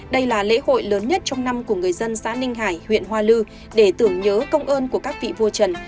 đây là lễ hội lớn nhất trong năm của người dân xã ninh hải huyện hoa lư để tưởng nhớ công ơn của các vị vua trần